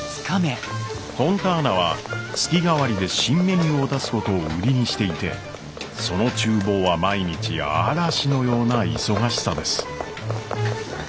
フォンターナは月替わりで新メニューを出すことを売りにしていてその厨房は毎日嵐のような忙しさです。